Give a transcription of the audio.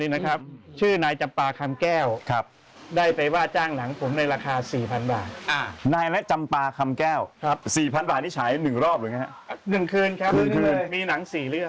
นี้ฉายหนึ่งรอบหรือไงฮะหนึ่งคืนครับคืนมีหนังสี่เรื่อง